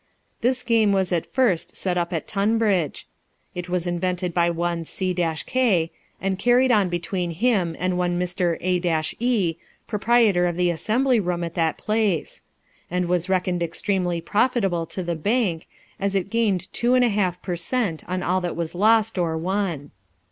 This game was at first set up at Tunbridge. It was invented by one C k, and carried on between him and one Mr. A e, proprietor of the assembly room at that place ; and was reckoned extremely profitable to the bank, as it gained two and a half per cent, on all that was lost or won.